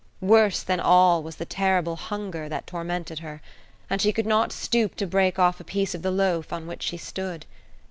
Worse than all was the terrible hunger that tormented her, and she could not stoop to break off a piece of the loaf on which she stood.